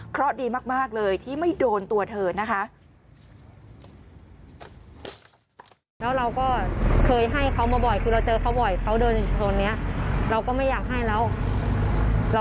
เพราะดีมากเลยที่ไม่โดนตัวเธอนะคะ